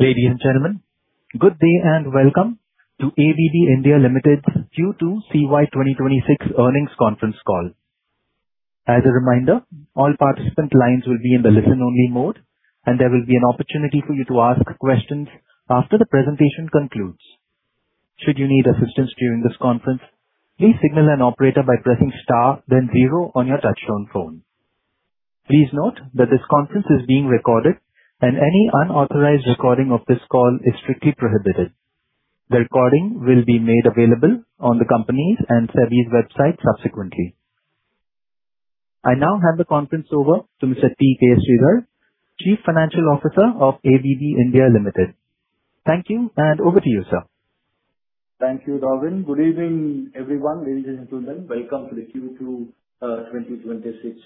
Ladies and gentlemen, good day and welcome to ABB India Limited's Q2 CY 2026 earnings conference call. As a reminder, all participant lines will be in the listen only mode, and there will be an opportunity for you to ask questions after the presentation concludes. Should you need assistance during this conference, please signal an operator by pressing star then zero on your touchtone phone. Please note that this conference is being recorded and any unauthorized recording of this call is strictly prohibited. The recording will be made available on the company's and SEBI's website subsequently. I now hand the conference over to Mr. T.K. Sridhar, Chief Financial Officer of ABB India Limited. Thank you, and over to you, sir. Thank you, Robin. Good evening, everyone. Ladies and gentlemen, welcome to the Q2 2026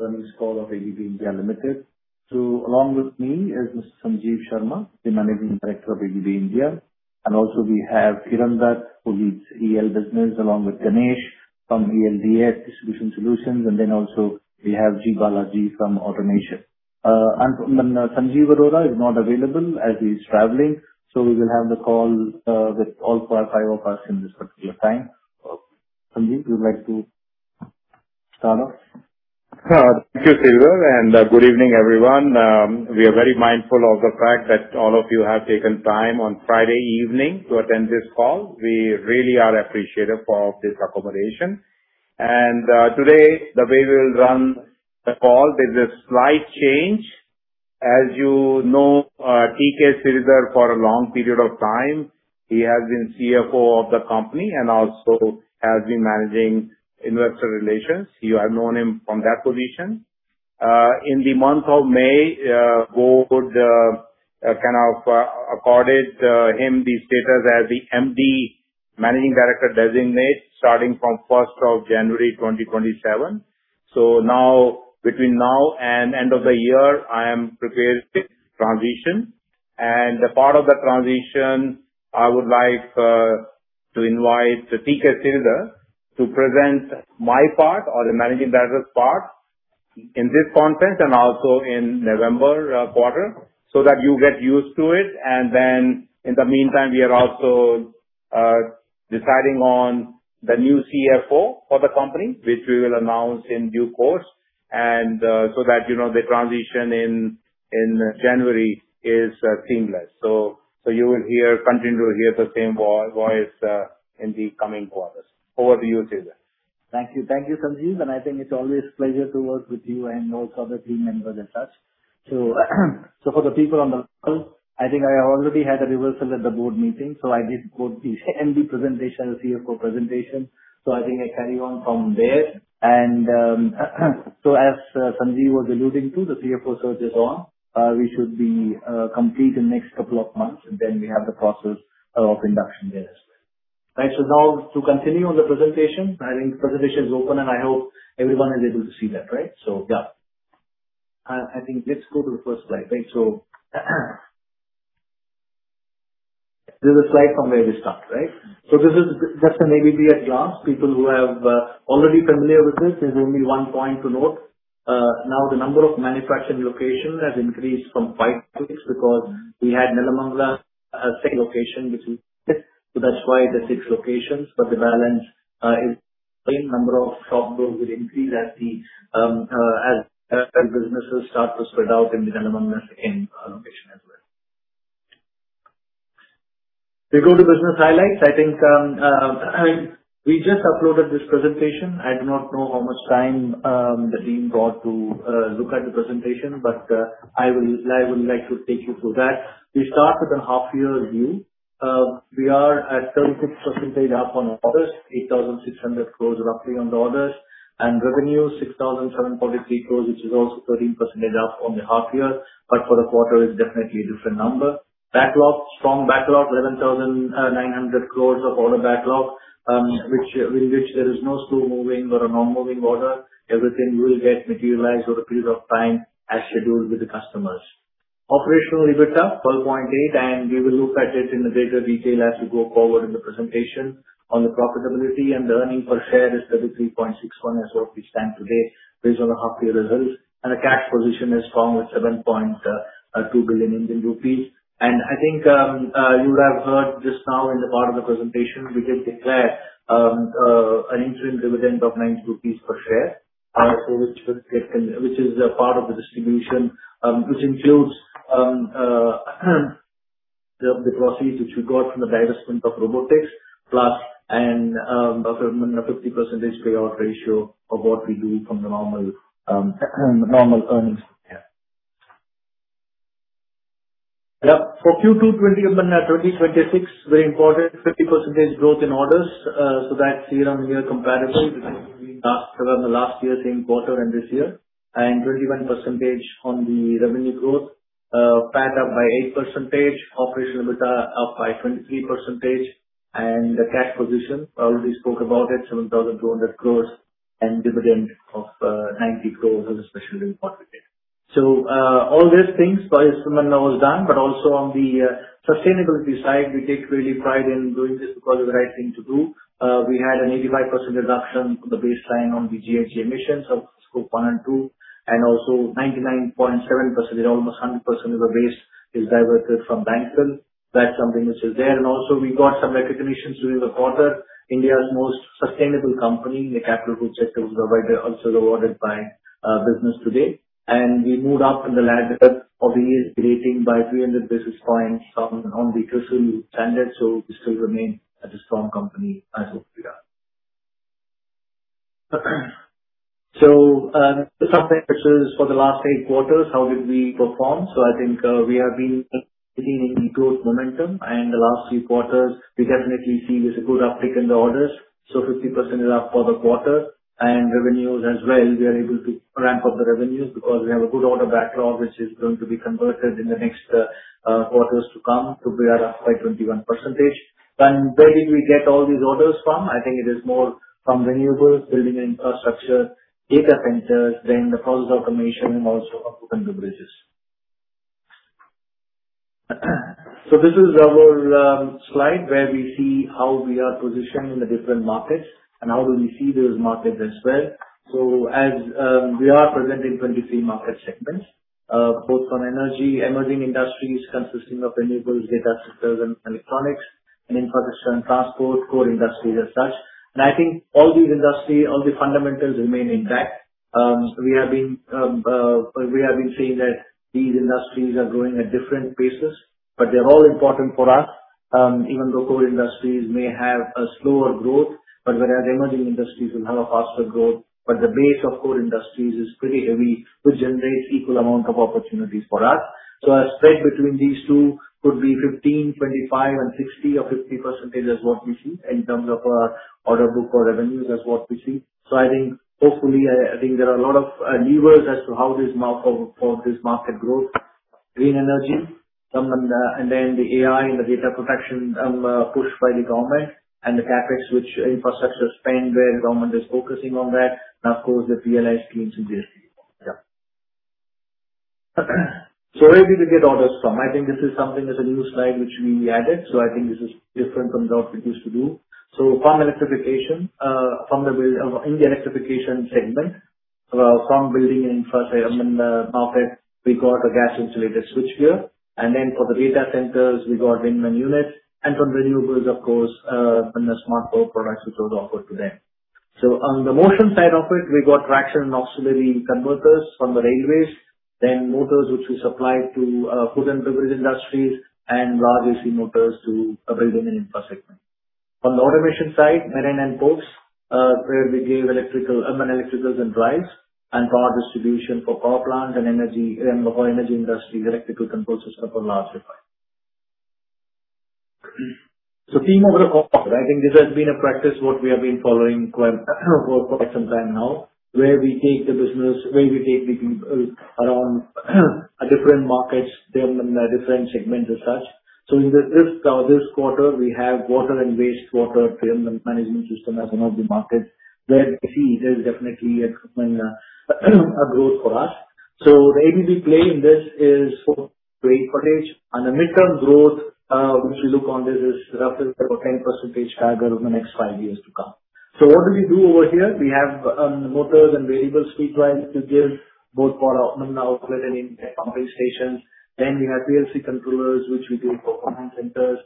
earnings call of ABB India Limited. Along with me is Mr. Sanjeev Sharma, the Managing Director of ABB India, and also we have Kiran Dutt, who leads EL business, along with Ganesh from ELDS Distribution Solutions. Also we have G. Balaji from Automation. Sanjeev Arora is not available as he is traveling, so we will have the call with all five of us in this particular time. Sanjeev, would you like to start off? Thank you, Sridhar, good evening, everyone. We are very mindful of the fact that all of you have taken time on Friday evening to attend this call. We really are appreciative of this accommodation. Today, the way we'll run the call, there's a slight change. As you know T.K. Sridhar, for a long period of time, he has been CFO of the company and also has been managing investor relations. You have known him from that position. In the month of May, Board kind of accorded him the status as the MD, Managing Director designate, starting from 1st of January 2027. Between now and end of the year, I am preparing transition. Part of the transition, I would like to invite T.K. Sridhar to present my part or the Managing Director's part in this conference and also in November quarter so that you get used to it. In the meantime, we are also deciding on the new CFO for the company, which we will announce in due course. So that the transition in January is seamless. You will continue to hear the same voice in the coming quarters. Over to you, Sridhar. Thank you. Thank you, Sanjeev, I think it's always a pleasure to work with you and also the team members and such. For the people on the call, I think I already had a reversal at the board meeting, so I did both the MD presentation and CFO presentation. I think I carry on from there. As Sanjeev was alluding to, the CFO search is on. We should be complete in the next couple of months, and then we have the process of induction there as well. Right. Now to continue on the presentation. I think the presentation is open, and I hope everyone is able to see that, right. I think let's go to the first slide. Right. This is the slide from where we start, right. This is just an ABB at glance. People who have already familiar with this, there's only one point to note. Now the number of manufacturing locations has increased from five to six because we had Nelamangala as second location, which we—that's why the six locations, the balance is same number of shop floor will increase as businesses start to spread out in Nelamangala in location as well. We go to business highlights. We just uploaded this presentation. I do not know how much time the team got to look at the presentation, I will like to take you through that. We start with a half year view. We are at 36% up on orders, 8,600 crore roughly on the orders. Revenue 6,743 crore, which is also 13% up on the half year, for the quarter is definitely a different number. Backlog, strong backlog, 11,900 crore of order backlog, in which there is no slow-moving or a non-moving order. Everything will get materialized over a period of time as scheduled with the customers. Operational EBITDA, 12.8%, we will look at it in greater detail as we go forward in the presentation. On the profitability and the earning per share is 33.61 as of we stand today, based on the half year results. The cash position is strong at 7,200 crore Indian rupees. You would have heard just now in the part of the presentation, we did declare an interim dividend of 90 rupees per share, which is a part of the distribution, which includes the proceeds which we got from the divestment of Robotics, plus a 50% payout ratio of what we do from the normal earnings. For Q2 2026, very important, 50% growth in orders. That year-on-year comparable between the last year same quarter and this year. 21% on the revenue growth, PAT up by 8%. Operational EBITA up by 23%. The cash position, I already spoke about it, 7,200 crore. Dividend of 90 as a special dividend for today. All these things was done, but also on the sustainability side, we take really pride in doing this because it's the right thing to do. We had an 85% reduction from the baseline on the GHG emissions of Scope 1 and 2. Also 99.7%, almost 100%, of the waste is diverted from landfill. That's something which is there. Also we got some recognitions during the quarter. India's Most Sustainable Company in the Capital Goods sector was also awarded by Business Today. We moved up in the ladder of the ESG rating by 300 basis points on the CRISIL standards. We still remain as a strong company as of now. Some metrics for the last eight quarters, how did we perform? I think we have been hitting in growth momentum, and the last few quarters we definitely see there's a good uptick in the orders. 50% is up for the quarter. Revenues as well, we are able to ramp up the revenues because we have a good order backlog, which is going to be converted in the next quarters to come to be around up by 21%. Where did we get all these orders from? I think it is more from renewables, building infrastructure, data centers, then the process automation and also food and beverages. This is our slide where we see how we are positioned in the different markets and how do we see those markets as well. As we are present in 23 market segments both on energy, emerging industries consisting of renewables, data centers, and electronics, and infrastructure and transport, core industries as such. I think all these industry, all the fundamentals remain intact. We have been seeing that these industries are growing at different paces, but they're all important for us, even though core industries may have a slower growth, but whereas emerging industries will have a faster growth, but the base of core industries is pretty heavy to generate equal amount of opportunities for us. Our spread between these two could be 15, 25, and 60 or 50% is what we see in terms of our order book or revenues, that's what we see. I think hopefully, I think there are a lot of levers as to how this market grows. Green energy, then the AI and the data protection, pushed by the government and the CapEx, which infrastructure spend where the government is focusing on that. Of course, the PLI schemes and GST. Yeah. Where did we get orders from? I think this is something that's a new slide which we added. I think this is different from what we used to do. From Electrification, from in the Electrification segment, from building in market, we got a gas-insulated switchgear. Then for the data centers we got ring main units. From renewables, of course, from the smart power products which was offered to them. On the Motion side of it, we got traction and auxiliary converters from the railways. Motors which we supply to food and beverage industries and large AC motors to a building and infra segment. On the Automation side, marine and ports, where we gave electrical and electricals and drives and power distribution for power plant and energy, and for energy industry electrical control system for large refinery. Theme of the quarter, I think this has been a practice what we have been following for quite some time now, where we take the business, where we take the people around different markets, different segments as such. In this quarter, we have water and wastewater treatment management system as one of the markets where we see it is definitely a growth for us. For ABB play in this is 4%-8%. The midterm growth, which we look on this is roughly about 10% CAGR over the next five years to come. What do we do over here? We have motors and variable speed drives which we give both for outlet and inlet pumping stations. We have PLC controllers, which we give for command centers,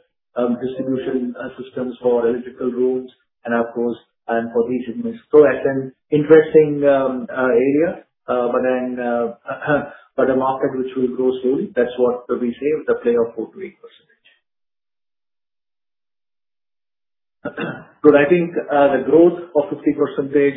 distribution systems for electrical rooms and of course, and for these units. It's an interesting area, but a market which will grow slowly. That's what we say, the play of 4%-8%. I think the growth of 50%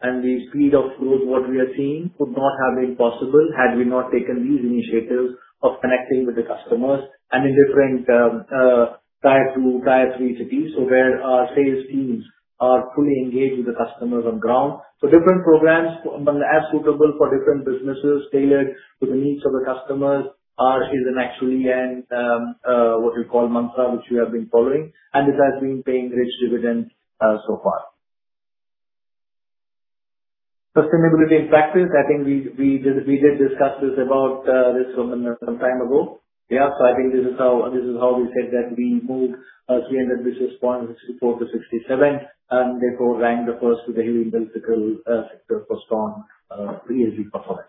and the speed of growth, what we are seeing could not have been possible had we not taken these initiatives of connecting with the customers and in different Tier 2, Tier 3 cities. Where our sales teams are fully engaged with the customers on ground. Different programs as suitable for different businesses tailored to the needs of the customers is actually a, what we call mantra, which we have been following and it has been paying rich dividends so far. Sustainability in practice. I think we did discuss this about this some time ago. I think this is how we said that we moved 300 basis points, 64 to 67, and therefore ranked first in the heavy electrical sector for strong ESG performance.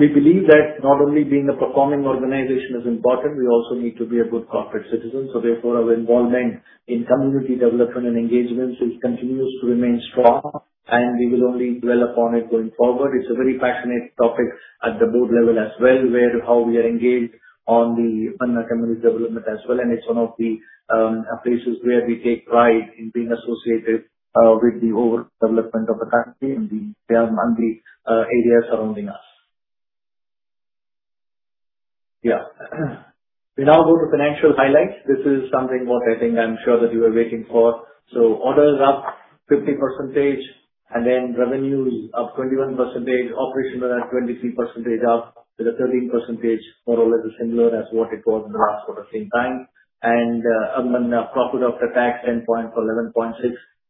We believe that not only being a performing organization is important, we also need to be a good corporate citizen. Therefore, our involvement in community development and engagement which continues to remain strong and we will only develop on it going forward. It's a very passionate topic at the board level as well, where how we are engaged on the community development as well. It's one of the places where we take pride in being associated with the overall development of the country and the areas surrounding us. We now go to financial highlights. This is something what I think I'm sure that you were waiting for. Orders up 50% and revenues up 21%. Operational at 23% up with a 13%, more or less similar as what it was in the last quarter same time. Profit after tax 10.4% to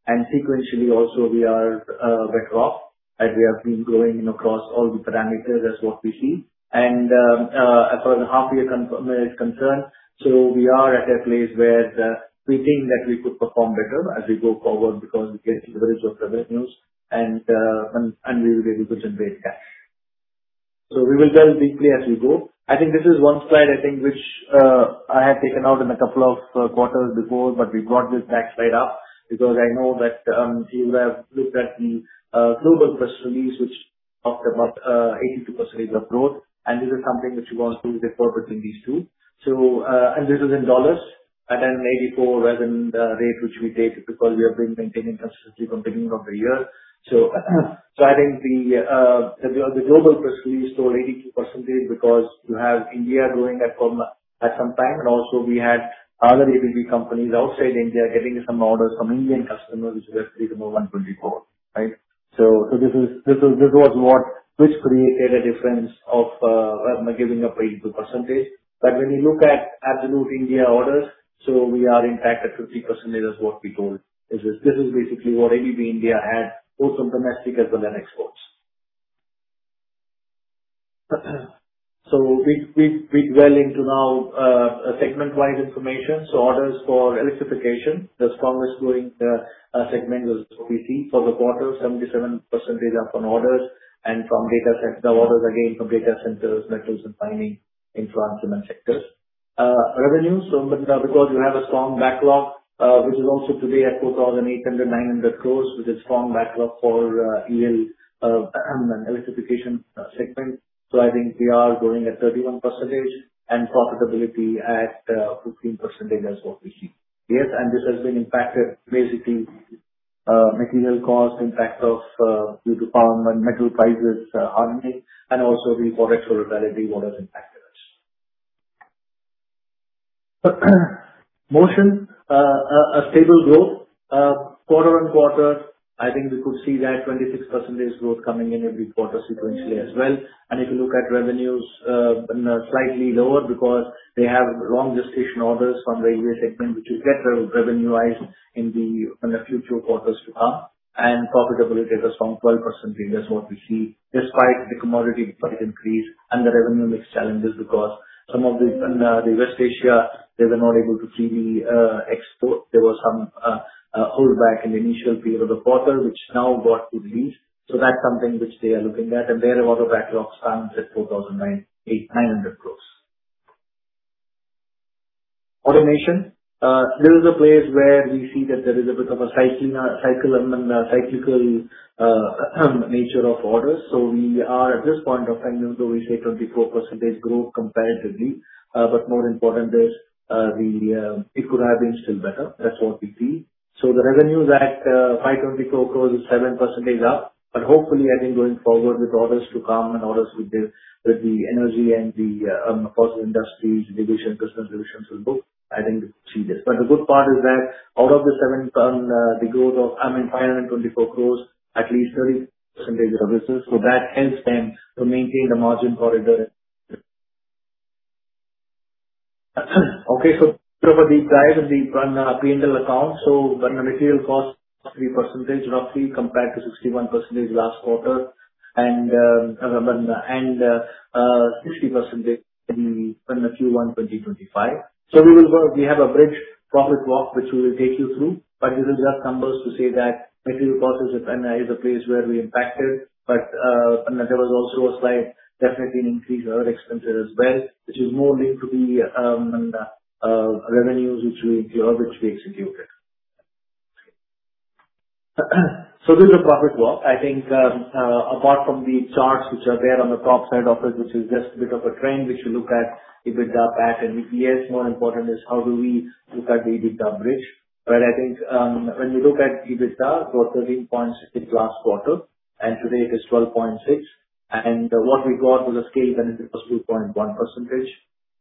11.6%. Sequentially also we are a [bit off]. As we have been growing across all the parameters, that's what we see. As far as the half year is concerned, we are at a place where we think that we could perform better as we go forward because we get deliveries of revenues and we will be able to generate cash. We will delve deeply as we go. I think this is one slide, I think which I had taken out in a couple of quarters before, but we brought this back slide up because I know that you have looked at the Global press release which talked about 82% of growth. This is something which we want to report between these two. This is in dollars and 84 as in the rate which we take it because we have been maintaining consistency from beginning of the year. I think the Global press release showed 82% because you have India growing at some time and also we had other ABB companies outside India getting some orders from Indian customers, which were 124. This was what, which created a difference of giving up 82%. When you look at absolute India orders, we are in fact at 50% is what we told. This is basically what ABB India had, both from domestic as well as exports. We delve into now segment-wide information. Orders for Electrification, the strongest growing segment was what we see for the quarter, 77% up on orders and from data centers, the orders again from data centers, metals and mining influence in that sector. Revenues, because you have a strong backlog, which is also today at 4,900 crore, which is strong backlog for EL Electrification segment. I think we are growing at 31% and profitability at 15% as what we see. Yes, this has been impacted basically material cost impact of due to raw material prices hardening and also the forex volatility what has impacted us. Motion, a stable growth quarter-on-quarter. I think we could see that 26% growth coming in every quarter sequentially as well. If you look at revenues, slightly lower because they have long gestation orders from railway segment, which will get revenued in the future quarters to come. Profitability was from 12%, that's what we see despite the commodity price increase and the revenue mix challenges because some of the West Asia, they were not able to freely export. There was some hold back in the initial period of the quarter, which now got released. That's something which they are looking at, and there the order backlog stands at 4,900 crore. Automation. This is a place where we see that there is a bit of a cyclical nature of orders. We are at this point of time, though we say 24% growth comparatively, but more important is it could have been still better. That's what we see. The revenues at 524 crore is 7% up, but hopefully, I think going forward with orders to come and orders with the energy and the fossil industries division, business divisions will book, I think we could see this. The good part is that out of the growth of, I mean, 524 crore, at least 30% services. That helps them to maintain the margin for. A bit about the P&L account. Material cost 3% roughly compared to 61% last quarter and 60% in the Q1 2025. We have a bridge profit walk, which we will take you through, but this is just numbers to say that material cost is a place where we impacted. There was also a slight definitely an increase in our expenses as well, which is more linked to the revenues which we executed. This is the profit walk. I think apart from the charts which are there on the top side of it, which is just a bit of a trend, which you look at, EBITDA pattern, yes, more important is how do we look at the EBITDA bridge, right? I think when you look at EBITDA, it was 13.6% last quarter, and today it is 12.6%. What we got was a scale benefit of 2.1%.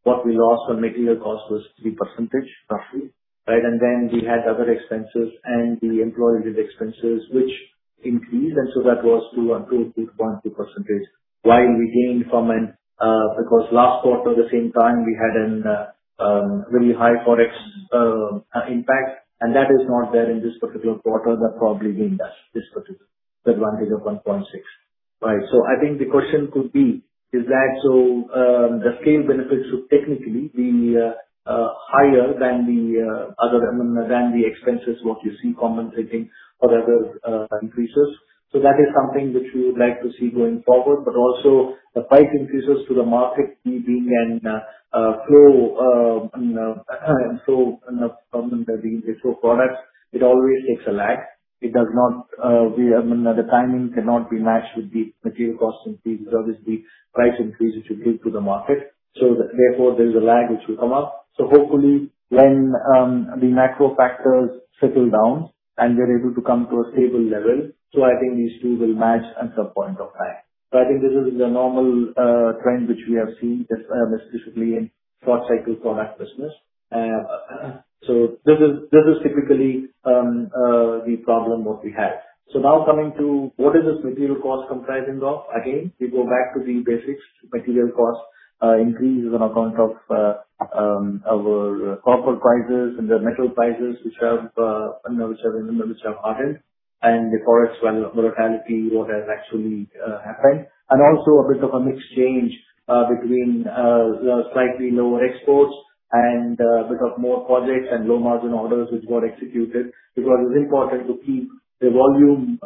What we lost on material cost was 3% roughly. Right? Then we had other expenses and the employee-related expenses which increased, and that was 2.2%, while we gained from an, because last quarter the same time we had a really high forex impact, and that is not there in this particular quarter. That probably gained us this particular advantage of [1.6%]. I think the question could be, is that the scale benefits should technically be higher than the expenses, what you see compensating for other increases. That is something which we would like to see going forward, but also the price increases to the market being an flow from the being so products, it always takes a lag. The timing cannot be matched with the material cost increase. Obviously, price increase which you give to the market. Therefore, there is a lag which will come up. Hopefully when the macro factors settle down and we're able to come to a stable level, I think these two will match at some point of time. I think this is the normal trend which we have seen specifically in short cycle product business. This is typically the problem what we have. Now coming to what is this material cost comprising of? Again, we go back to the basics. Material cost increase is on account of our copper prices and the metal prices which have risen, which have hardened. The corresponding volatility, what has actually happened. Also a bit of a mixed change between slightly lower exports and a bit of more projects and low margin orders which got executed. Because it's important to keep the volume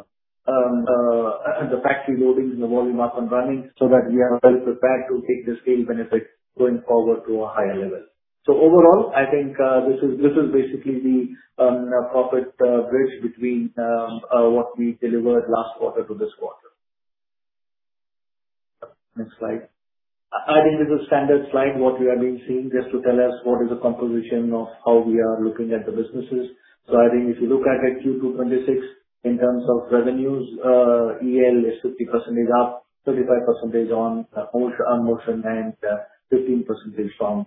and the factory loadings and the volume up and running so that we are well prepared to take the scale benefit going forward to a higher level. Overall, I think this is basically the profit bridge between what we delivered last quarter to this quarter. Next slide. I think this is standard slide, what we have been seeing, just to tell us what is the composition of how we are looking at the businesses. I think if you look at it, Q2 2026, in terms of revenues, EL is 50% up, 35% on Motion and 15% from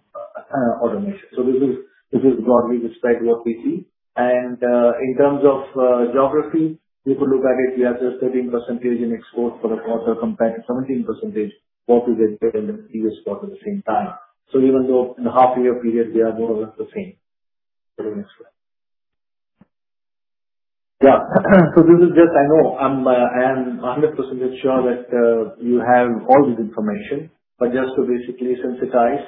Automation. This is broadly the slide what we see. In terms of geography, if you look at it, we have just 13% in exports for the quarter compared to 17% what we did in the previous quarter at the same time. Even though in a half year period, we are more or less the same. Go to the next slide. This is just I know I am a 100% sure that you have all this information, but just to basically synthesize,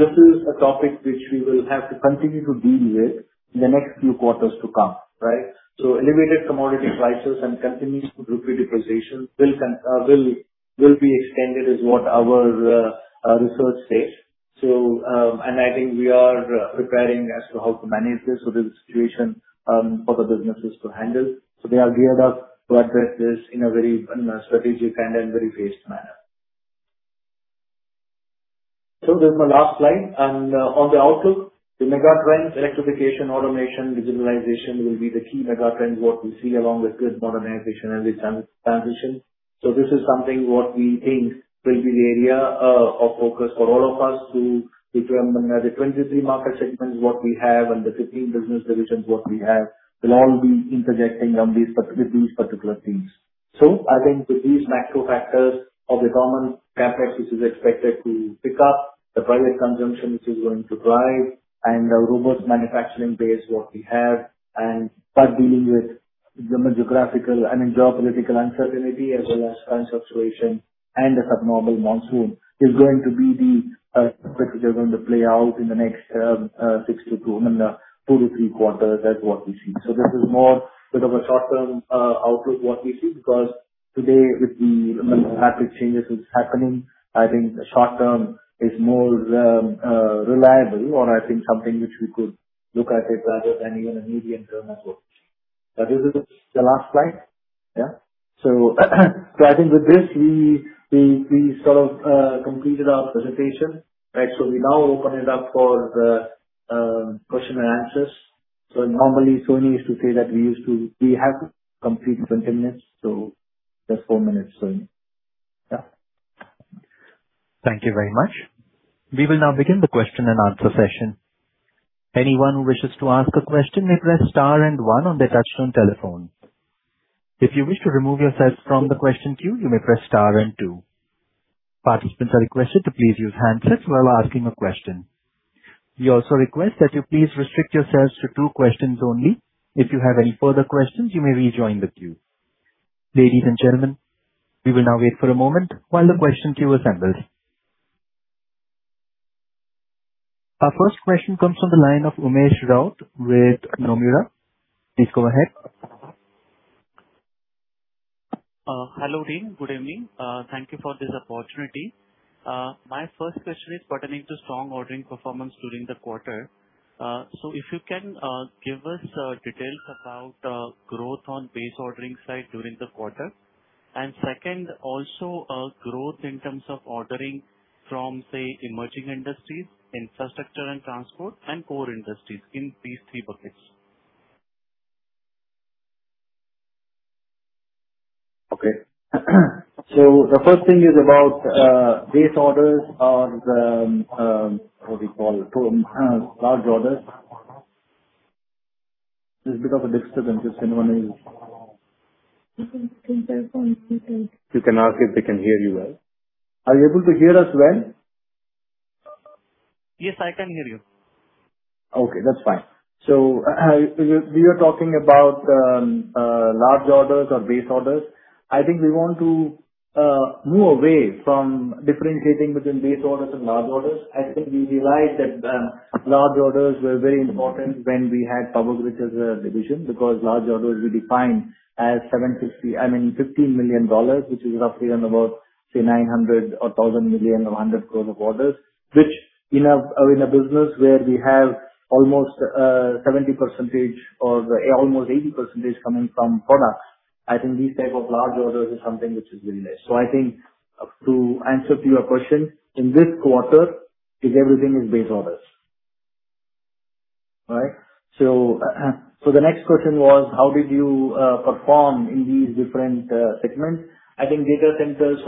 this is a topic which we will have to continue to deal with in the next few quarters to come, right? Elevated commodity prices and continued rupee depreciation will be extended is what our research says. I think we are preparing as to how to manage this. This is a situation for the businesses to handle. We are geared up to address this in a very strategic and very phased manner. This is my last slide. On the outlook, the megatrends electrification, automation, digitalization will be the key megatrend, what we see along with grid modernization and transition. This is something what we think will be the area of focus for all of us to determine the 23 market segments what we have and the 15 business divisions what we have, will all be interjecting on these particular things. I think with these macro factors of the government CapEx, which is expected to pick up the private consumption which is going to drive and a robust manufacturing base, what we have. Start dealing with the geographical and geopolitical uncertainty as well as current situation and a subnormal monsoon is going to be the aspects which are going to play out in the next six to two to three quarters. That's what we see. This is more bit of a short-term outlook, what we see, because today with the rapid changes which is happening, I think short-term is more reliable or I think something which we could look at it rather than even a medium-term as well. This is the last slide. I think with this we sort of completed our presentation, right? We now open it up for the question and answers. Normally Sohini used to say that we have to complete within 10 minutes. Just four minutes Sohini. Thank you very much. We will now begin the question and answer session. Anyone who wishes to ask a question may press star and one on their touch-tone telephone. If you wish to remove yourself from the question queue you may press star and two. Participants are requested to please use handsets while asking a question. We also request that you please restrict yourselves to two questions only. If you have any further questions you may rejoin the queue. Ladies and gentlemen, we will now wait for a moment while the question queue assembles. Our first question comes from the line of Umesh Raut with Nomura. Please go ahead. Hello, team. Good evening. Thank you for this opportunity. My first question is pertaining to strong ordering performance during the quarter. If you can give us details about growth on base ordering side during the quarter. Second, also growth in terms of ordering from, say, emerging industries, infrastructure and transport, and core industries in these three buckets. Okay. The first thing is about base orders or what we call large orders. There's a bit of a disturbance. Is anyone able to hear? You can ask if they can hear you well. Are you able to hear us well? Yes, I can hear you. Okay, that's fine. We were talking about large orders or base orders. I think we want to move away from differentiating between base orders and large orders. I think we realized that large orders were very important when we had Power Grids as a division because large orders we define as $15 million, which is roughly around about, say 900 million or 1,000 million or 100 crore of orders, which in a business where we have almost 70% or almost 80% coming from products, I think these type of large orders is something which is really less. To answer to your question, in this quarter is everything is base orders, right? The next question was how did you perform in these different segments? I think data centers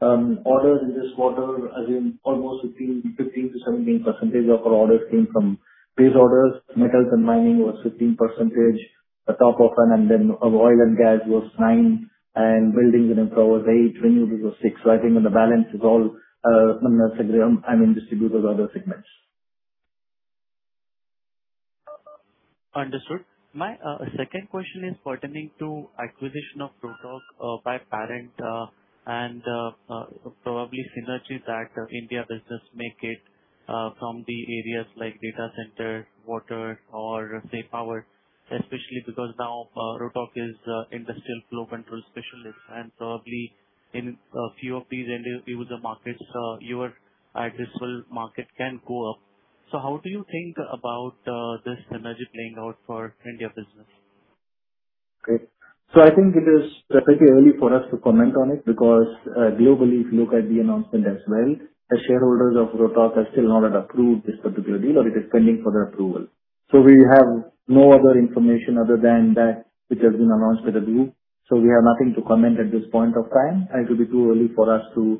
orders in this quarter has been almost 15%-17% of our orders came from base orders. Metals and mining was 15%. Oil and gas was 9% and buildings and infra was 8%. Renewables was 6%. I think in the balance is all distributors order segments. Understood. My second question is pertaining to acquisition of Rotork by parent, probably synergies that India business may get from the areas like data center, water, or say power, especially because now Rotork is industrial flow control specialist and probably in a few of these end-user markets, your addressable market can go up. How do you think about this synergy playing out for India business? Great. I think it is slightly early for us to comment on it because globally, if you look at the announcement as well, the shareholders of Rotork have still not approved this particular deal or it is pending for their approval. We have no other information other than that which has been announced by the group. We have nothing to comment at this point of time. It will be too early for us to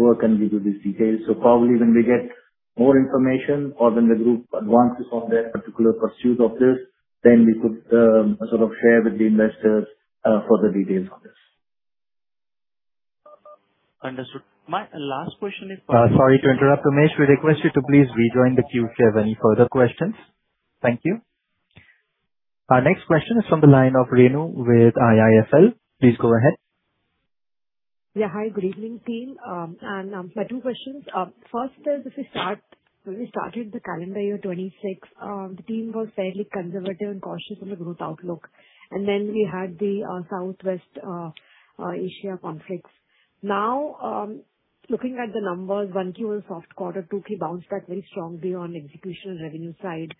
work and give you these details. Probably when we get more information or when the group advances on their particular pursuit of this, then we could sort of share with the investors further details on this. Understood. My last question is— Sorry to interrupt, Umesh. We request you to please rejoin the queue if you have any further questions. Thank you. Our next question is from the line of Renu with IIFL. Please go ahead. Yeah. Hi, good evening team. My two questions. First is, if we started the calendar year 2026, the team was fairly conservative and cautious on the growth outlook. Then we had the West Asia conflicts. Now, looking at the numbers, 1Q was soft quarter, 2Q bounced back very strongly on execution revenue side.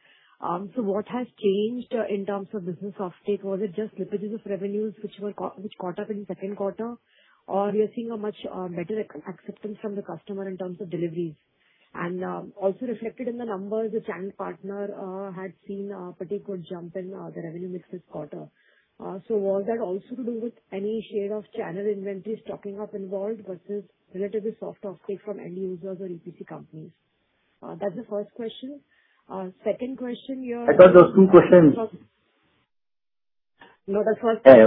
What has changed in terms of business offtake? Was it just slippages of revenues which caught up in second quarter or we are seeing a much better acceptance from the customer in terms of deliveries. Also reflected in the numbers, the channel partner had seen a particular jump in the revenue mix this quarter. Was that also to do with any shade of channel inventory stocking up involved versus relatively soft offtake from end users or EPC companies? That's the first question. Second question— I thought that was two questions. No, that's the first question.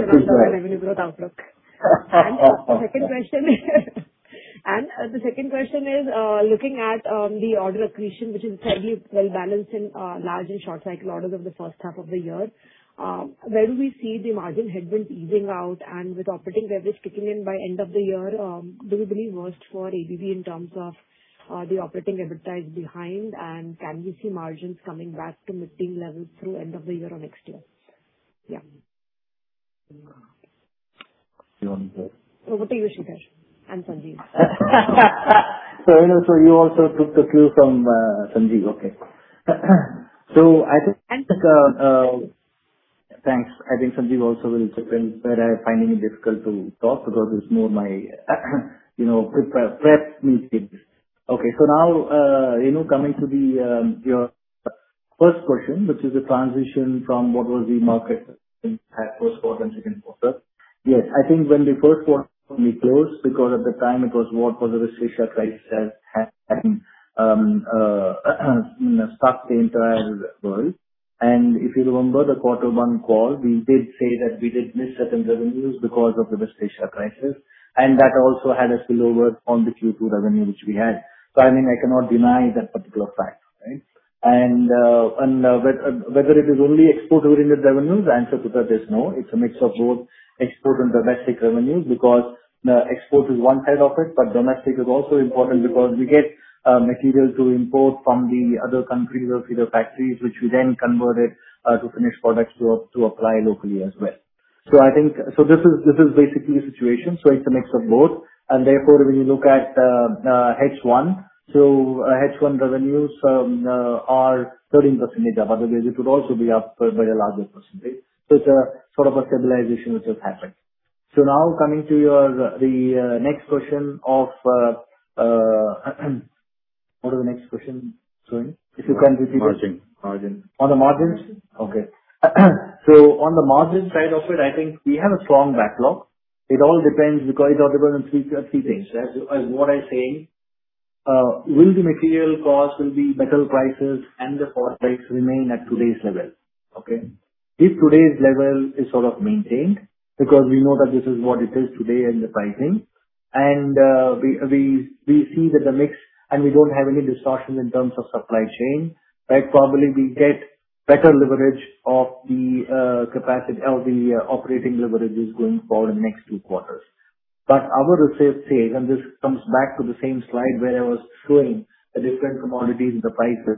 The second question is, looking at the order accretion, which is fairly well balanced in large and short cycle orders of the first half of the year, where do we see the margin headwinds easing out and with operating leverage kicking in by end of the year, do we believe worst for ABB in terms of the operating leverage ties behind and can we see margins coming back to mid-teen levels through end of the year or next year? Yeah. You want to take? Over to you, Sridhar and Sanjeev. Renu, you also took the cue from Sanjeev. Okay. Thanks. I think Sanjeev also will chip in where I find it difficult to talk because it's more my prepared script. Renu coming to your first question, which is the transition from what was the market in first quarter and second quarter. Yes, I think when the 1st quarter only closed, because at the time it was more because of the Russia crisis had stopped the entire world. If you remember the Q1 call, we did say that we did miss certain revenues because of the Russia crisis, and that also had a spillover on the Q2 revenue which we had. I mean, I cannot deny that particular fact, right? Whether it is only export-oriented revenues, the answer to that is no. It's a mix of both export and domestic revenues because export is one side of it but domestic is also important because we get materials to import from the other countries or other factories which we then converted to finished products to apply locally as well. This is basically the situation. It's a mix of both and therefore when you look at H1. H1 revenues are 13% up otherwise it would also be up by a larger percentage. It's a sort of a stabilization which has happened. Coming to the next question of what was the next question, sorry. If you can repeat it. Margin. On the margins? Okay. On the margin side of it, I think we have a strong backlog. It all depends because it is all dependent on three things. What I say, will the material cost, will the metal prices and the freight rates remain at today's level? Okay. If today's level is sort of maintained because we know that this is what it is today and the pricing and we see that the mix and we don't have any distortions in terms of supply chain, right? Probably we get better leverage of the capacity of the operating leverages going forward in next two quarters. Our research says and this comes back to the same slide where I was showing the different commodities and the prices.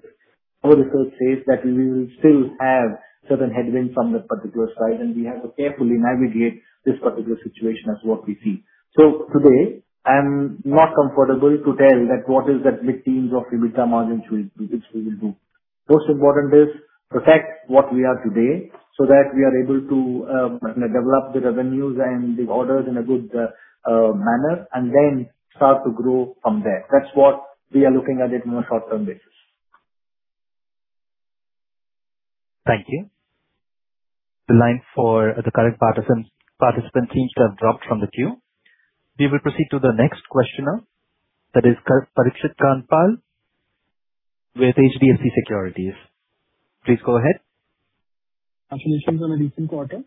Our research says that we will still have certain headwinds from that particular side and we have to carefully navigate this particular situation as what we see. Today I'm not comfortable to tell what is that mid-teens of EBITDA margin which we will do. Most important is protect what we are today so that we are able to develop the revenues and the orders in a good manner and then start to grow from there. That's what we are looking at it more short-term basis. Thank you. The line for the current participant seems to have dropped from the queue. We will proceed to the next questioner. That is Parikshit Kandpal with HDFC Securities. Please go ahead. Congratulations on a decent quarter.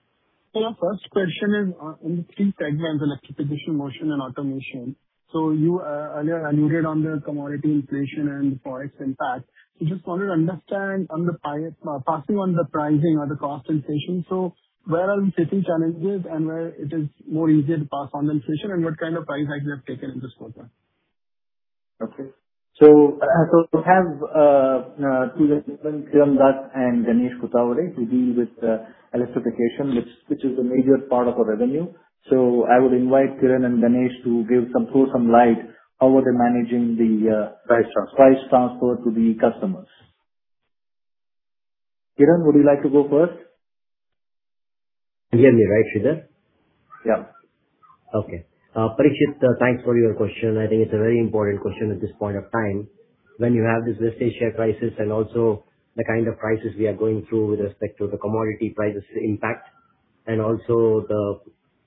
Our first question is on the three segments, Electrification, Motion, and Automation. You earlier alluded on the commodity inflation and the forex impact. We just wanted to understand on the passing on the pricing or the cost inflation. Where are we facing challenges and where it is more easier to pass on inflation and what kind of price hike you have taken in this quarter? Okay. We have two gentlemen, Kiran Dutt and Ganesh Kothawade, who deal with Electrification, which is a major part of our revenue. I would invite Kiran and Ganesh to throw some light how were they managing the— Price transfer. Price transfer to the customers. Kiran, would you like to go first? You hear me right, Sridhar? Yeah. Okay. Parikshit, thanks for your question. I think it's a very important question at this point of time, when you have this West Asia crisis and also the kind of prices we are going through with respect to the commodity prices impact, and also the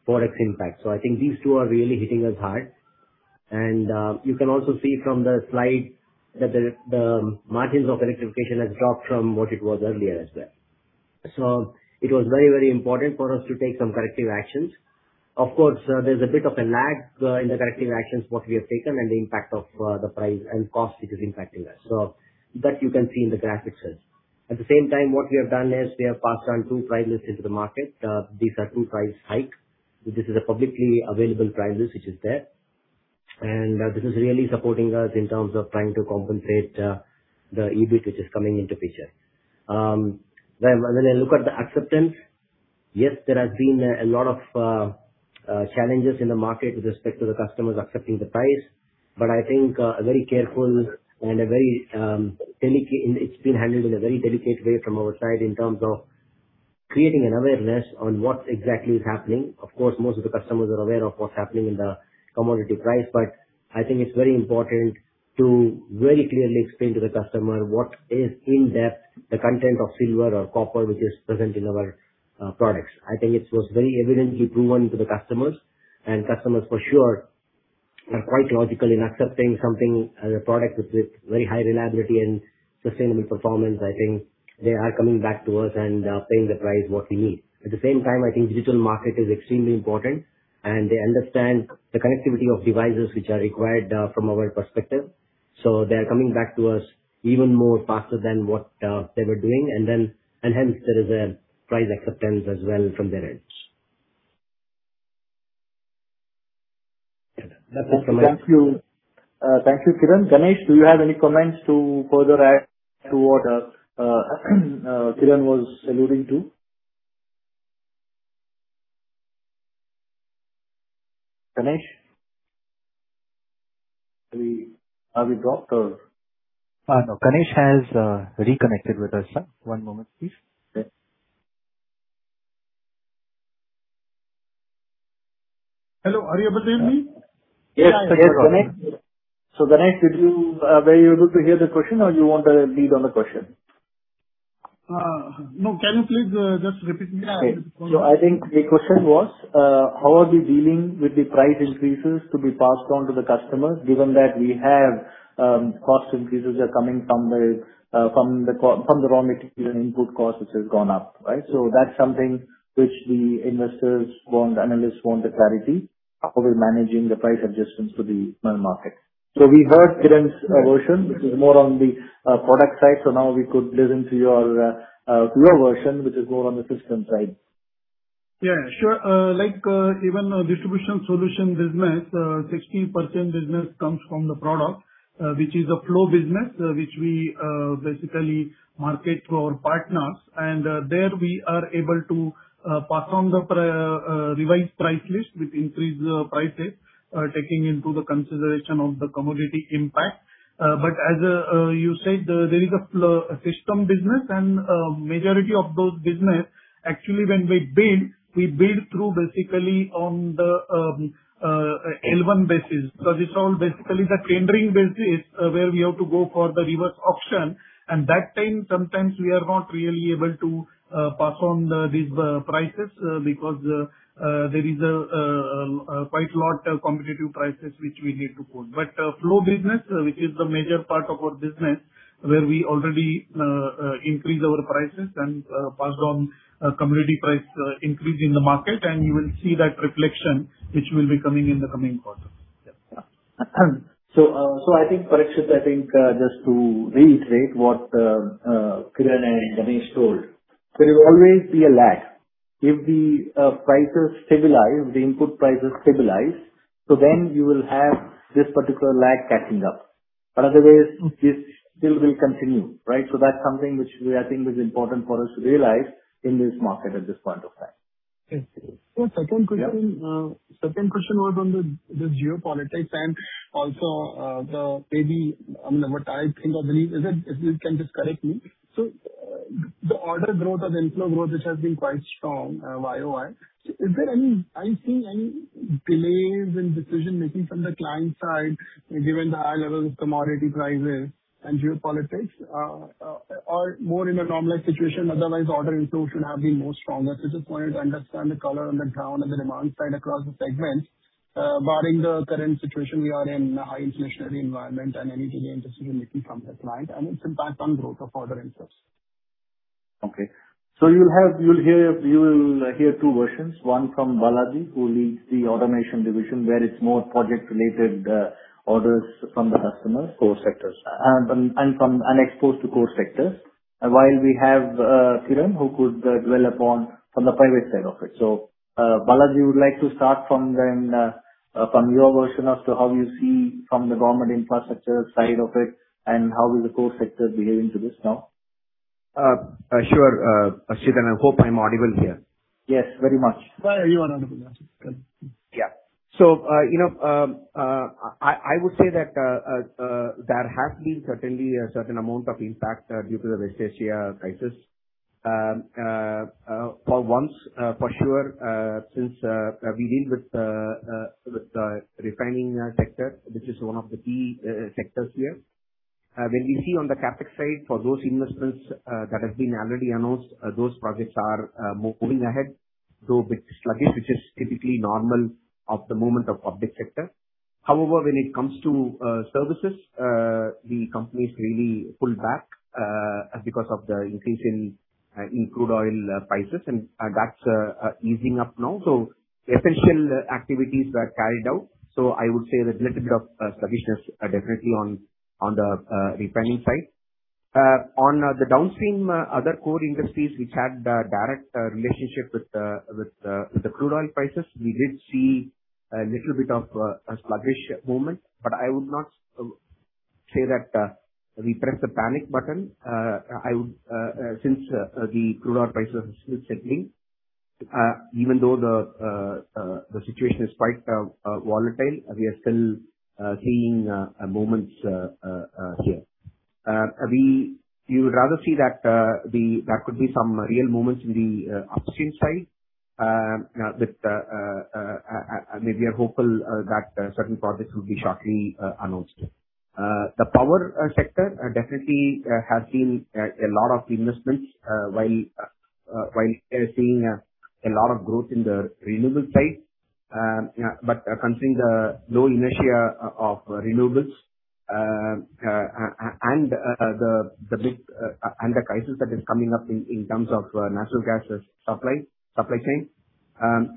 forex impact. I think these two are really hitting us hard. You can also see from the slide that the margins of Electrification has dropped from what it was earlier as well. It was very important for us to take some corrective actions. Of course, there's a bit of a lag in the corrective actions, what we have taken and the impact of the price and cost it is impacting us. That you can see in the graphics as well. At the same time, what we have done is we have passed on two price lists into the market. These are two price hike. This is a publicly available price list which is there. This is really supporting us in terms of trying to compensate the EBIT which is coming into picture. When I look at the acceptance, yes, there has been a lot of challenges in the market with respect to the customers accepting the price. I think a very careful and it's been handled in a very delicate way from our side in terms of creating an awareness on what exactly is happening. Of course, most of the customers are aware of what's happening in the commodity price, but I think it's very important to very clearly explain to the customer what is in depth the content of silver or copper, which is present in our products. I think it was very evidently proven to the customers for sure are quite logical in accepting something as a product with very high reliability and sustainable performance. I think they are coming back to us and paying the price what we need. At the same time, I think digital market is extremely important, they understand the connectivity of devices which are required from our perspective. They are coming back to us even more faster than what they were doing. Hence there is a price acceptance as well from their ends. Thank you, Kiran. Ganesh, do you have any comments to further add to what Kiran was alluding to? Ganesh? Have we dropped? No, Ganesh has reconnected with us, sir. One moment please. Okay. Hello, are you able to hear me? Ganesh, were you able to hear the question or you want a read on the question? No, can you please just repeat me? I think the question was, how are we dealing with the price increases to be passed on to the customers, given that we have cost increases are coming from the raw material and input cost, which has gone up, right? That's something which the investors want, the analysts want the clarity of how we're managing the price adjustments to the market. We heard Kiran's version, which is more on the product side. Now we could listen to your version, which is more on the system side. Yeah, sure. Even Distribution Solution business, 16% business comes from the product, which is a flow business, which we basically market to our partners. There we are able to pass on the revised price list with increased prices, taking into the consideration of the commodity impact. As you said, there is a system business and majority of those business actually when we bid, we bid through basically on the L1 basis. It's all basically the tendering basis where we have to go for the reverse auction. That time, sometimes we are not really able to pass on these prices because there is quite lot competitive prices which we need to quote. Flow business, which is the major part of our business, where we already increase our prices and pass on commodity price increase in the market, you will see that reflection which will be coming in the coming quarter. Parikshit, I think just to reiterate what Kiran and Ganesh told. There will always be a lag. If the input prices stabilize, then you will have this particular lag catching up. Otherwise, this still will continue, right? That's something which I think is important for us to realize in this market at this point of time. Thank you. Second question was on the geopolitics and also maybe what I think or believe is, if you can just correct me. The order growth or the inflow growth, which has been quite strong YoY. Are you seeing any delays in decision-making from the client side, given the high levels of commodity prices and geopolitics? Or more in a normal situation, otherwise order inflow should have been more stronger. Just wanted to understand the color on the ground and the demand side across the segments. Barring the current situation, we are in a high inflationary environment and anything the industry is making from the client, and its impact on growth of order inflows. Okay. You will hear two versions, one from Balaji, who leads the Automation division, where it's more project-related orders from the customer. Core sectors. Exposed to core sectors. While we have Kiran, who could dwell upon from the private side of it. Balaji, would like to start from your version as to how you see from the government infrastructure side of it, and how is the core sector behaving to this now? Sure. Parikshit, I hope I'm audible here. Yes, very much. You are audible sir. I would say that there has been certainly a certain amount of impact due to the West Asia crisis. For sure, since we deal with the refining sector, which is one of the key sectors here. When we see on the CapEx side, for those investments that have been already announced, those projects are moving ahead, though bit sluggish, which is typically normal of the moment of public sector. However, when it comes to services, the companies really pull back because of the increase in crude oil prices, and that's easing up now. The essential activities were carried out. I would say that little bit of sluggishness definitely on the refining side. On the downstream, other core industries which had direct relationship with the crude oil prices, we did see a little bit of a sluggish moment. I would not say that we pressed the panic button since the crude oil prices have been settling. Even though the situation is quite volatile, we are still seeing moments here. You would rather see that there could be some real moments in the upstream side, maybe we are hopeful that certain projects will be shortly announced. The power sector definitely has seen a lot of investments while seeing a lot of growth in the renewable side. Considering the low inertia of renewables, and the crisis that is coming up in terms of natural gas supply chain,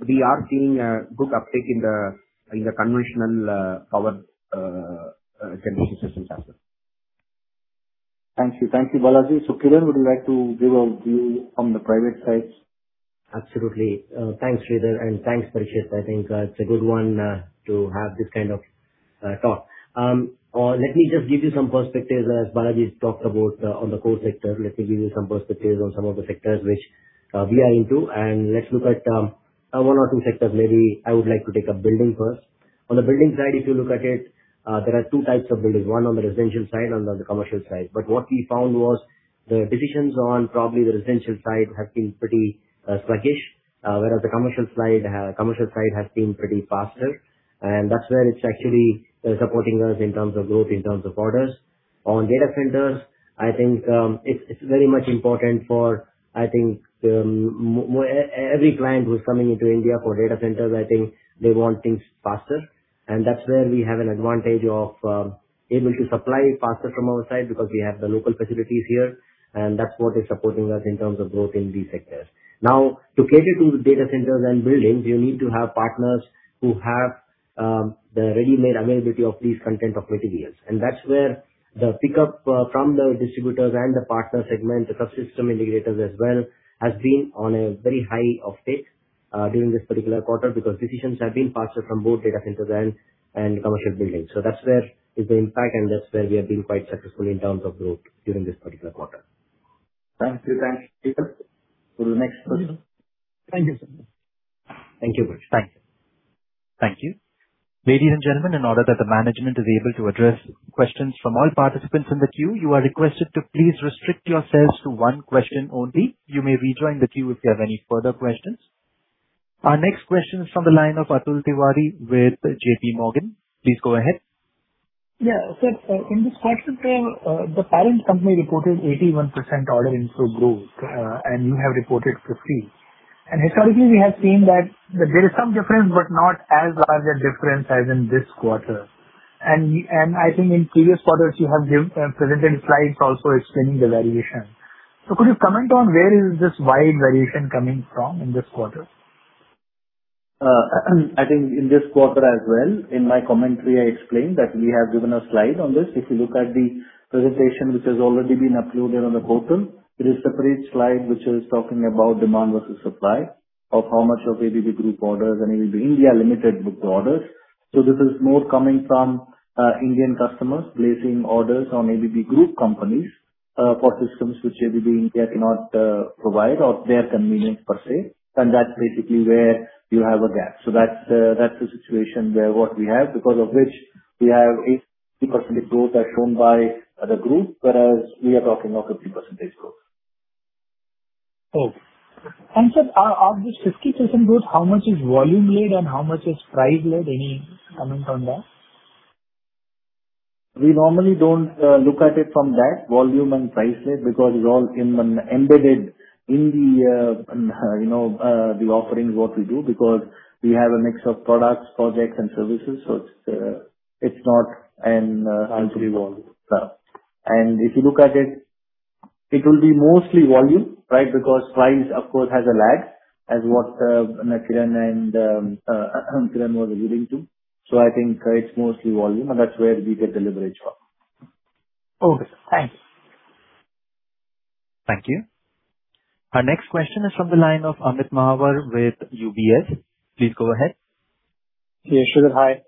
we are seeing a good uptick in the conventional power generation systems as well. Thank you, Balaji. Kiran, would you like to give a view from the private sides? Absolutely. Thanks, Sridhar, and thanks, Parikshit. I think it's a good one to have this kind of talk. Let me just give you some perspectives, as Balaji's talked about on the core sector. Let me give you some perspectives on some of the sectors which we are into, and let's look at one or two sectors maybe. I would like to take up building first. On the building side, if you look at it, there are two types of buildings, one on the residential side, and on the commercial side. What we found was the decisions on probably the residential side have been pretty sluggish, whereas the commercial side has been pretty faster. That's where it's actually supporting us in terms of growth, in terms of orders. On data centers, I think it's very much important for every client who's coming into India for data centers, I think they want things faster. That's where we have an advantage of being able to supply faster from our side because we have the local facilities here, and that's what is supporting us in terms of growth in these sectors. Now, to cater to data centers and buildings, you need to have partners who have the ready-made availability of these content of materials. That's where the pickup from the distributors and the partner segment, the subsystem integrators as well, has been on a very high uptick during this particular quarter because decisions have been faster from both data centers and commercial buildings. That's where is the impact, and that's where we have been quite successful in terms of growth during this particular quarter. Thank you, Kiran. Operator, to the next person. Thank you, sir. Thank you, Parikshit. Thank you. Ladies and gentlemen, in order that the management is able to address questions from all participants in the queue, you are requested to please restrict yourselves to one question only. You may rejoin the queue if you have any further questions. Our next question is from the line of Atul Tiwari with JPMorgan. Please go ahead. Yeah. In this quarter frame, the parent company reported 81% order inflow growth, and you have reported 50%. Historically, we have seen that there is some difference, but not as large a difference as in this quarter. I think in previous quarters, you have presented slides also explaining the variation. Could you comment on where is this wide variation coming from in this quarter? I think in this quarter as well, in my commentary, I explained that we have given a slide on this. If you look at the presentation which has already been uploaded on the portal, there is separate slide which is talking about demand versus supply of how much of ABB Group orders and ABB India Limited book orders. This is more coming from Indian customers placing orders on ABB Group companies for systems which ABB India cannot provide or their convenience per se. That's basically where you have a gap. That's the situation where what we have, because of which we have 80% growth as shown by the group, whereas we are talking of 50% growth. Okay. Sir, of this 50% growth, how much is volume led and how much is price led? Any comment on that? We normally don't look at it from that volume and price led because it's all embedded in the offerings, what we do, because we have a mix of products, projects and services. It's not an— Volume. If you look at it will be mostly volume, right? Because price, of course, has a lag as what Kiran was alluding to. I think it is mostly volume, and that is where we get the leverage from. Okay, thanks. Thank you. Our next question is from the line of Amit Mahawar with UBS. Please go ahead. Sridhar, hi.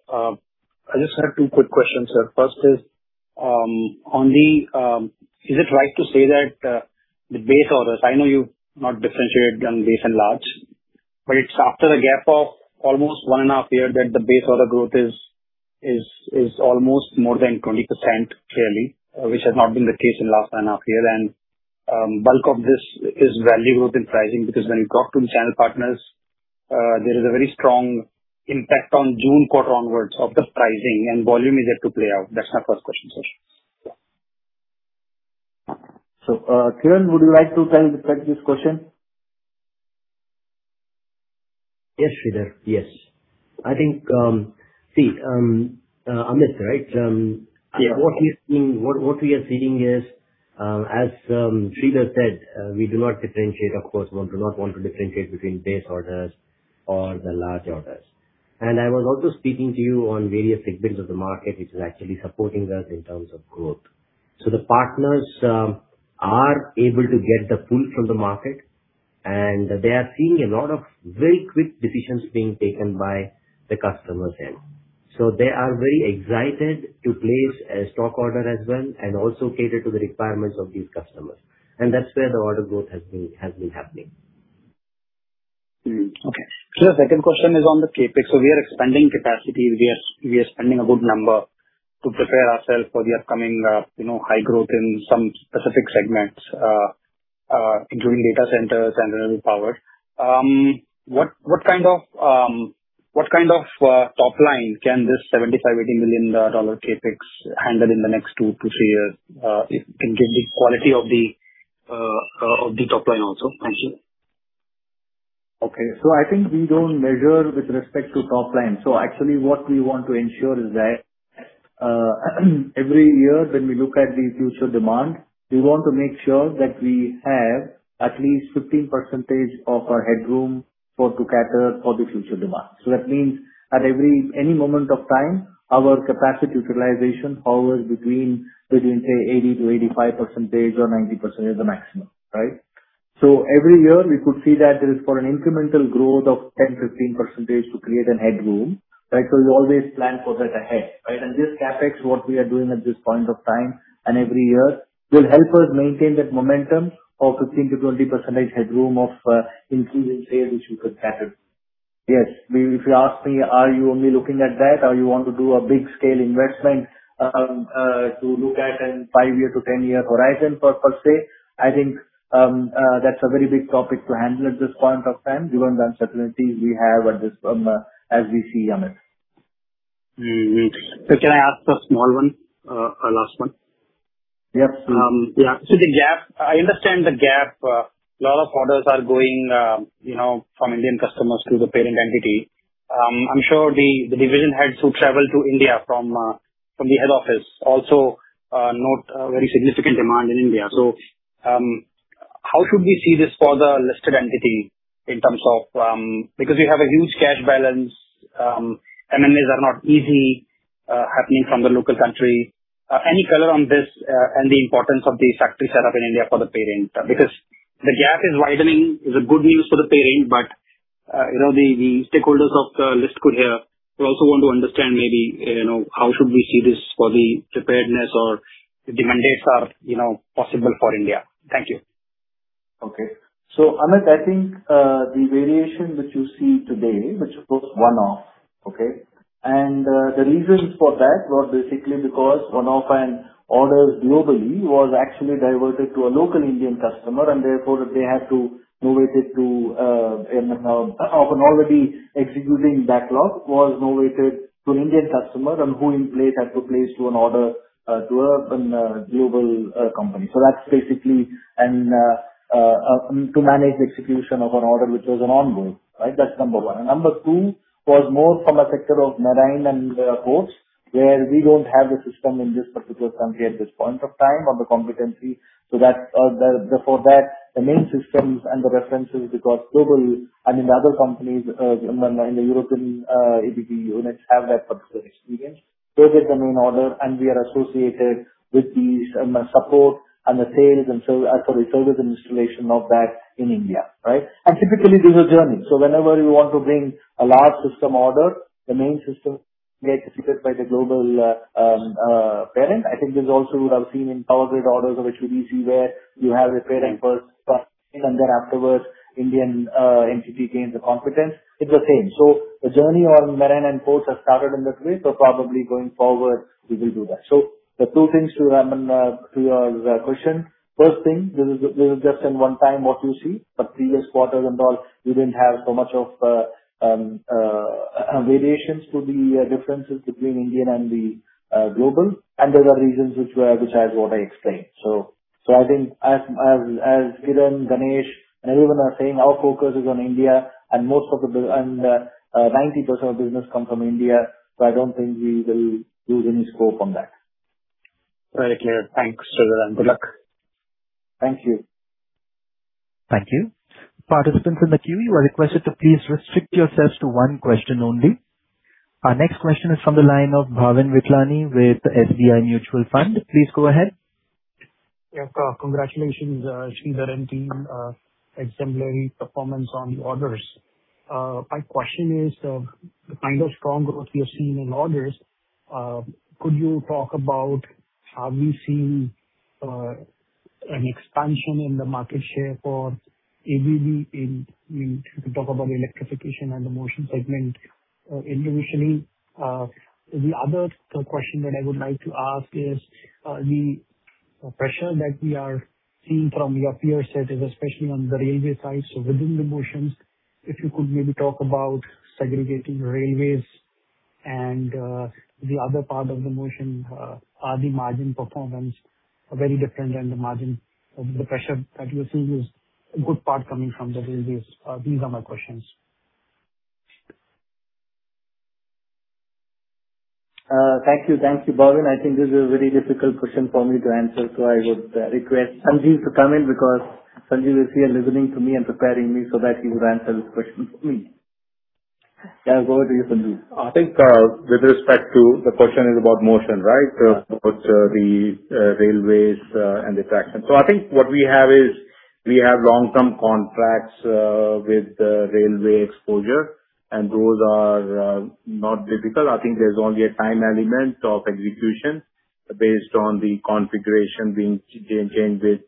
I just have two quick questions, sir. First is it right to say that the base orders, I know you have not differentiated them base and large, but it is after the gap of almost one and a half year that the base order growth is almost more than 20% clearly, which has not been the case in last one and a half year. Bulk of this is value growth in pricing. When you talk to the channel partners, there is a very strong impact on June quarter onwards of the pricing, and volume is yet to play out. That is my first question, sir. Kiran, would you like to try to take this question? Yes, Sridhar. Yes. Amit, right? Yeah. What we are seeing is, as Sridhar said, we do not differentiate, of course, one do not want to differentiate between base orders or the large orders. I was also speaking to you on various segments of the market which is actually supporting us in terms of growth. The partners are able to get the pull from the market, and they are seeing a lot of very quick decisions being taken by the customers there. They are very excited to place a stock order as well and also cater to the requirements of these customers. That's where the order growth has been happening. Okay. Sridhar, second question is on the CapEx. We are expanding capacity. We are spending a good number to prepare ourselves for the upcoming high growth in some specific segments, including data centers and renewable power. What kind of top line can this $75 million-$80 million CapEx handle in the next two to three years? If you can give the quality of the top line also. Thank you. Okay. I think we don't measure with respect to top line. Actually what we want to ensure is that every year when we look at the future demand, we want to make sure that we have at least 15% of our headroom to cater for the future demand. That means at any moment of time, our capacity utilization hovers between, say, 80%-85% or 90% is the maximum, right? Every year we could see that there is for an incremental growth of 10%, 15% to create a headroom, right? We always plan for that ahead, right? This CapEx, what we are doing at this point of time and every year, will help us maintain that momentum of 15%-20% headroom of increase in sales which we could cater. Yes. If you ask me, are you only looking at that or you want to do a big scale investment to look at in five-year to 10-year horizon per se, I think that's a very big topic to handle at this point of time given the uncertainties we have as we see, Amit. Can I ask a small one, a last one? Yep. The gap. I understand the gap. A lot of orders are going from Indian customers to the parent entity. I'm sure the division heads who travel to India from the head office also note a very significant demand in India. How should we see this for the listed entity in terms of Because you have a huge cash balance. M&As are not easy happening from the local country. Any color on this and the importance of the factory setup in India for the parent? The gap is widening is a good news for the parent, but the stakeholders of the ListCo will also want to understand maybe how should we see this for the preparedness or the mandates are possible for India. Thank you. Okay. Amit, I think, the variation which you see today, which was one-off, okay? The reasons for that were basically because one-off an orders globally was actually diverted to a local Indian customer and therefore of an already executing backlog was novated to an Indian customer and who in place had to place to an order to a global company. That's basically to manage execution of an order which was ongoing, right? That's number one. Number two was more from a sector of marine and ports where we don't have the system in this particular country at this point of time or the competency. For that, the main systems and the references, because Global and the other companies in the European ABB units have that particular experience. They get the main order. We are associated with the support and the sales and service and installation of that in India, right? Typically this is a journey. Whenever we want to bring a large system order, the main system gets executed by the global parent. I think this also would have seen in Power Grids orders of HVDC where you have a preferred first and then afterwards Indian entity gains the competence. It's the same. The journey on marine and ports has started in this way. Probably going forward we will do that. The two things to your question. First thing, this is just in one time what you see. The previous quarters and all, we didn't have so much of variations to the differences between Indian and the Global, and there are reasons which I have already explained. I think as Kiran, Ganesh, and everyone are saying, our focus is on India and 90% of business comes from India, I don't think we will lose any scope on that. Very clear. Thanks, Sridhar. Good luck. Thank you. Thank you. Participants in the queue, you are requested to please restrict yourselves to one question only. Our next question is from the line of Bhavin Vithlani with SBI Mutual Fund. Please go ahead. Yeah. Congratulations, Sridhar and team, exemplary performance on the orders. My question is the kind of strong growth we are seeing in orders, could you talk about, have we seen an expansion in the market share for ABB if you could talk about Electrification and the Motion segment individually? The other question that I would like to ask is the pressure that we are seeing from your peer set is especially on the railway side. Within the Motion, if you could maybe talk about segregating railways and the other part of the Motion. Are the margin performance very different than the margin of the pressure that you're seeing is a good part coming from the railways? These are my questions. Thank you, Bhavin. I think this is a very difficult question for me to answer, so I would request Sanjeev to come in because Sanjeev is here listening to me and preparing me so that he would answer this question for me. Yeah, over to you, Sanjeev. I think with respect to the question is about Motion, right? Of course, the railways and the traction. I think what we have is we have long-term contracts with railway exposure, and those are not difficult. I think there's only a time element of execution based on the configuration being changed with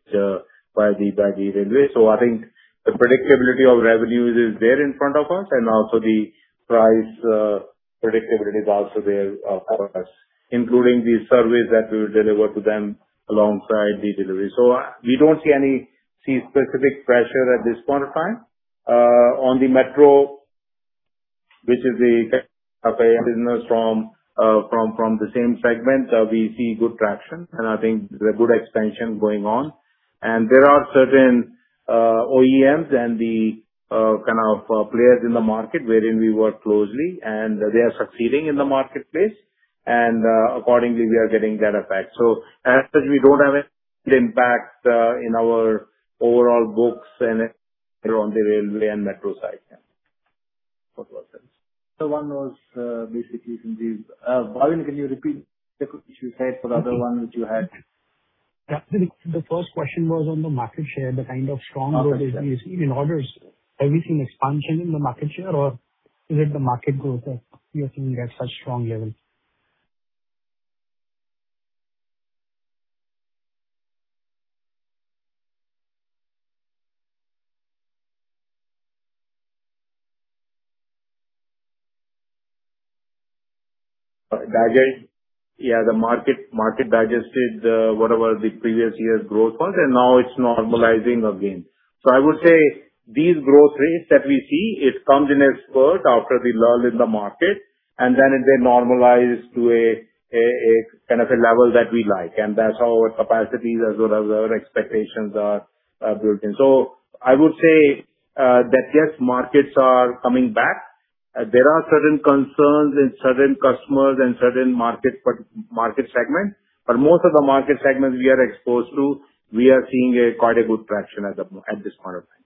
by the railway. I think the predictability of revenues is there in front of us, and also the price predictability is also there for us including the surveys that we will deliver to them alongside the delivery. We don't see any specific pressure at this point in time. On the metro which is the type of a business from the same segment, we see good traction, and I think there's a good expansion going on. There are certain OEMs and the kind of players in the market wherein we work closely, and they are succeeding in the marketplace. Accordingly, we are getting that effect. As such, we don't have any impact in our overall books and around the railway and metro side. That's what says. [inaudible] basically Sanjeev. Bhavin, can you repeat the question you said for the other one which you had? The first question was on the market share, the kind of strong growth that we are seeing in orders. Have you seen expansion in the market share, or is it the market growth that you are seeing at such strong levels? Yeah, the market digested whatever the previous year's growth was, and now it's normalizing again. I would say these growth rates that we see, it comes in a spurt after the lull in the market, and then it will normalize to a kind of a level that we like. That's how our capacities as well as our expectations are built in. I would say that yes, markets are coming back. There are certain concerns in certain customers and certain market segments. Most of the market segments we are exposed to, we are seeing quite a good traction at this point of time.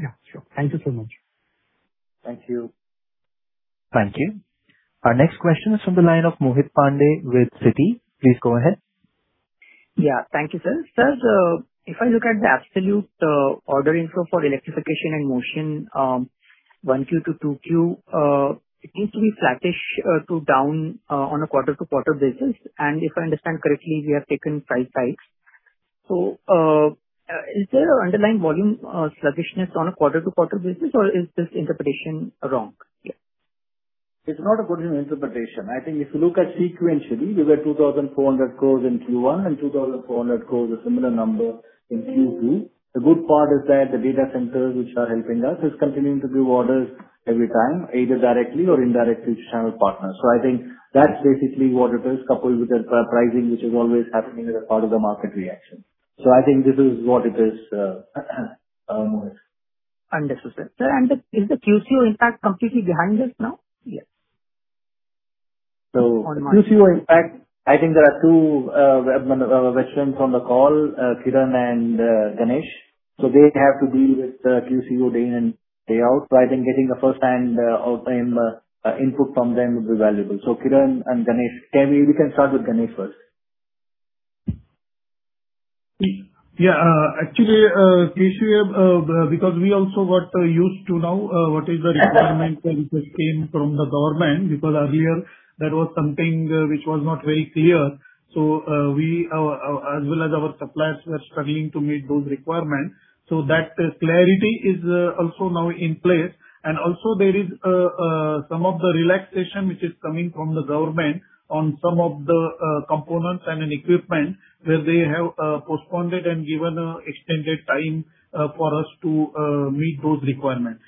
Yeah, sure. Thank you so much. Thank you. Thank you. Our next question is from the line of Mohit Pandey with Citi. Please go ahead. Yeah, thank you, sir. Sir, if I look at the absolute order inflow for Electrification and Motion 1Q to 2Q it seems to be flattish to down on a quarter-to-quarter basis. If I understand correctly, we have taken price hikes. Is there an underlying volume sluggishness on a quarter-to-quarter basis, or is this interpretation wrong here? It's not a good interpretation. I think if you look at sequentially, you get 2,400 crore in Q1 and 2,400 crore a similar number in Q2. The good part is that the data centers which are helping us are continuing to give orders every time, either directly or indirectly through channel partners. I think that's basically what it is coupled with the pricing which is always happening as a part of the market reaction. I think this is what it is Mohit. Understood, sir. Sir, is the QCO impact completely behind us now here? QCO impact, I think there are two veterans on the call, Kiran and Ganesh. They have to deal with QCO day in and day out. I think getting a firsthand real-time input from them would be valuable. Kiran and Ganesh. We can start with Ganesh first. Actually, QCO because we also got used to now what is the requirement which came from the government because earlier there was something which was not very clear. We as well as our suppliers were struggling to meet those requirements. That clarity is also now in place. There is some of the relaxation which is coming from the government on some of the components and equipment where they have postponed it and given extended time for us to meet those requirements.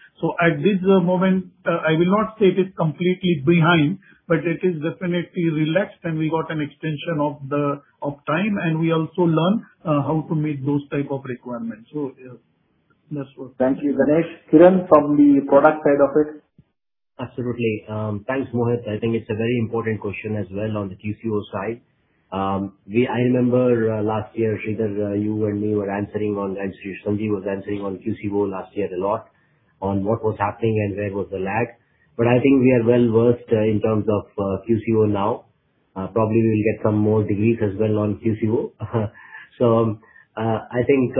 At this moment I will not say it is completely behind, but it is definitely relaxed, and we got an extension of time and we also learned how to meet those type of requirements. That's what— Thank you, Ganesh. Kiran, from the product side of it Thanks, Mohit. I think it's a very important question as well on the QCO side. I remember last year, Sridhar, you and me were answering on, and Sanjeev was answering on QCO last year a lot on what was happening and where was the lag. I think we are well versed in terms of QCO now. Probably we will get some more details as well on QCO. I think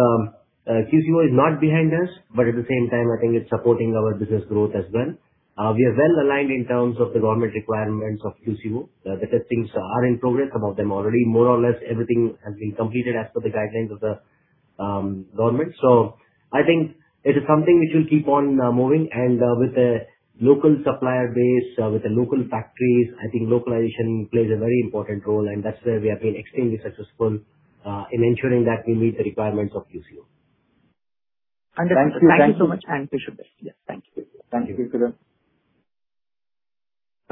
QCO is not behind us, but at the same time, I think it's supporting our business growth as well. We are well-aligned in terms of the government requirements of QCO. The testings are in progress, some of them already. More or less everything has been completed as per the guidelines of the government. I think it is something which will keep on moving. With the local supplier base, with the local factories, I think localization plays a very important role, and that's where we have been extremely successful in ensuring that we meet the requirements of QCO. Understood. Thank you so much. Thank you. [inaudible] Yes, thank you. Thank you, Mohit.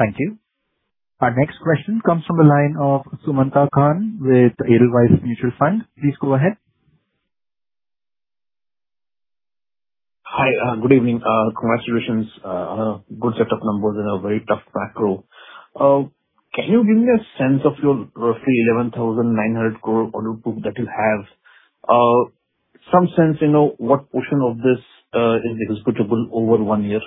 Thank you. Our next question comes from the line of Sumanta Khan with Edelweiss Mutual Fund. Please go ahead. Hi. Good evening. Congratulations on a good set of numbers in a very tough macro. Can you give me a sense of your roughly 11,900 crore order book that you have? Some sense, what portion of this is billable over one year.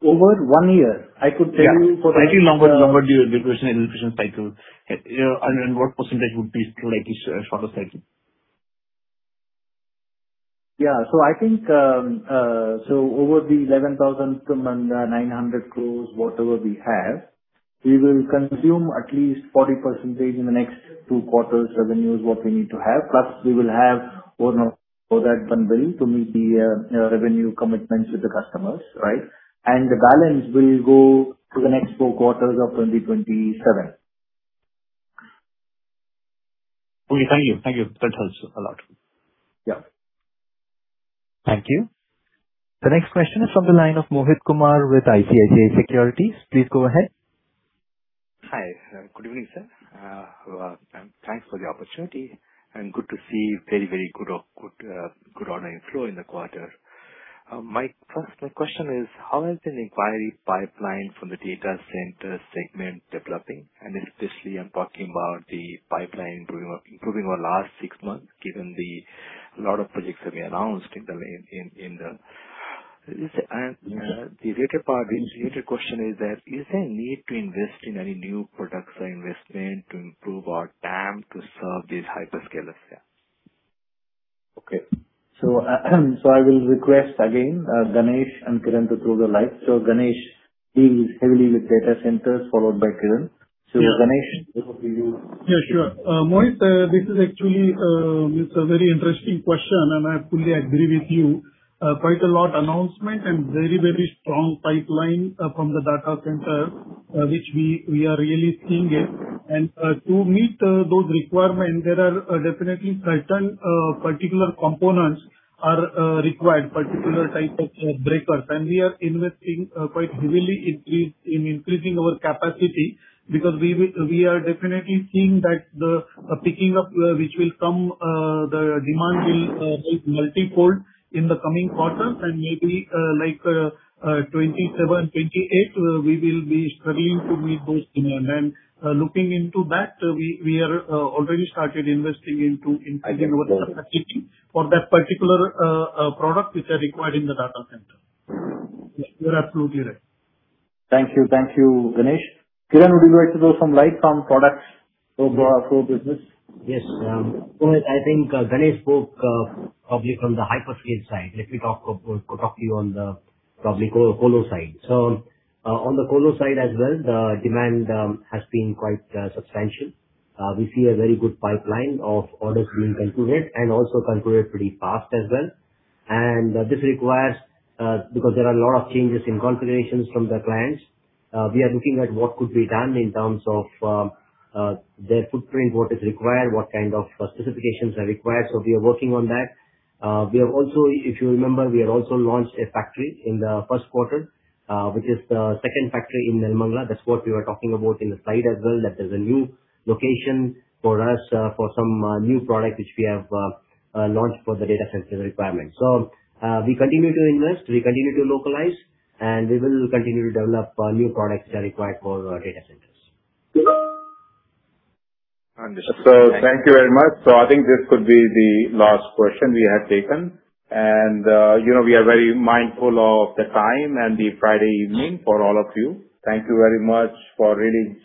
Over one year, I could tell you. Yeah. I think longer duration and efficient cycle, and what percentage would be like shorter cycle? Yeah. I think, so over the 11,900 crore, whatever we have, we will consume at least 40% in the next two quarters revenues what we need to have. Plus, we will have [inaudible] to meet the revenue commitments with the customers, right? The balance will go to the next four quarters of 2027. Okay. Thank you. Thank you. That helps a lot. Yeah. Thank you. The next question is from the line of Mohit Kumar with ICICI Securities. Please go ahead. Hi. Good evening, sir. Thanks for the opportunity, good to see very, very good order inflow in the quarter. My first question is, how has the inquiry pipeline from the data center segment developing? Especially, I'm talking about the pipeline improving over the last six months, given the lot of projects that we announced. The related question is that, is there a need to invest in any new products or investment to improve our TAM to serve these hyperscalers? Yeah. Okay. I will request again, Ganesh and Kiran to throw the light. Ganesh deals heavily with data centers, followed by Kiran. Ganesh, over to you. Yeah, sure. Mohit, this is actually a very interesting question, I fully agree with you. Quite a lot announcement and very, very strong pipeline from the data center, which we are really seeing it. To meet those requirements, there are definitely certain particular components are required, particular type of breakers. We are investing quite heavily in increasing our capacity because we are definitely seeing that the picking up which will come, the demand will make multifold in the coming quarters, and maybe like 2027, 2028, we will be struggling to meet those demand. Looking into that, we are already started investing into increasing our capacity for that particular product which are required in the data center. You're absolutely right. Thank you. Thank you, Ganesh. Kiran, would you like to throw some light on products for colo business? Yes. Mohit, I think Ganesh spoke probably from the hyperscale side. Let me talk to you on the probably colo side. On the colo side as well, the demand has been quite substantial. We see a very good pipeline of orders being concluded and also concluded pretty fast as well. This requires, because there are a lot of changes in configurations from the clients, we are looking at what could be done in terms of their footprint, what is required, what kind of specifications are required. We are working on that. If you remember, we had also launched a factory in the first quarter, which is the second factory in Nelamangala. That is what we were talking about in the slide as well, that there is a new location for us for some new product which we have launched for the data center requirement. We continue to invest, we continue to localize, and we will continue to develop new products that are required for data centers. Understood. Thank you. Thank you very much. I think this could be the last question we have taken. We are very mindful of the time and the Friday evening for all of you. Thank you very much for really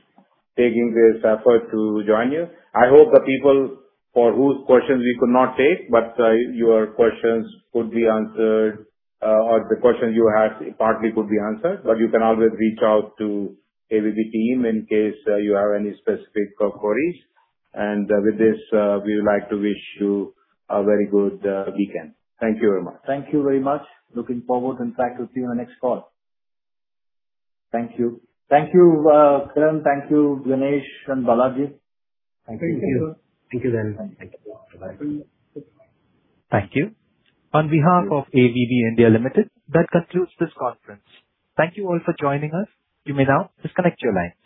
taking this effort to join us. I hope the people for whose questions we could not take, but your questions could be answered, or the questions you asked partly could be answered. You can always reach out to ABB team in case you have any specific queries. With this, we would like to wish you a very good weekend. Thank you very much. Thank you very much. Looking forward, in fact, to see you on the next call. Thank you. Thank you, Kiran. Thank you, Ganesh and Balaji. Thank you. Thank you very much. Thank you. Bye-bye. Thank you. On behalf of ABB India Limited, that concludes this conference. Thank you all for joining us. You may now disconnect your line.